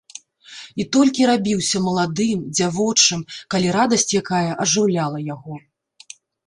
І толькі рабіўся маладым, дзявочым, калі радасць якая ажыўляла яго.